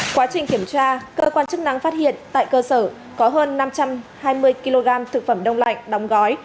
quá trình kiểm tra cơ quan chức năng phát hiện tại cơ sở có hơn năm trăm hai mươi kg thực phẩm đông lạnh đóng gói